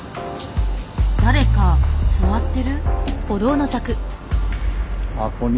誰か座ってる？